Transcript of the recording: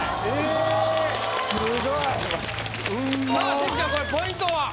しずちゃんこれポイントは？